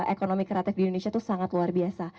ekonomi kreatif di indonesia itu sangat luar biasa